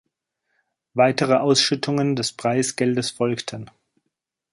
Weitere Ausschüttungen des Preisgeldes folgten.